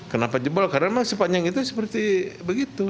kenapa jebol karena memang sepanjang itu seperti begitu